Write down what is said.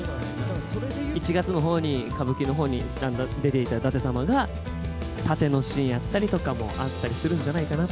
１月のほうに、歌舞伎のほうに出ていた舘様が、タテのシーンやったりとかもあったりするんじゃないかなと。